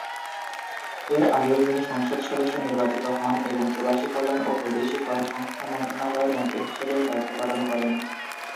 এর আগেও তিনি সংসদ সদস্য নির্বাচিত হন এবং প্রবাসী কল্যাণ ও বৈদেশিক কর্মসংস্থান মন্ত্রণালয়ের মন্ত্রী হিসেবেও দায়িত্ব পালন করেন।